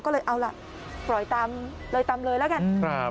ก็เลยเอาล่ะปล่อยตามเลยตามเลยแล้วกัน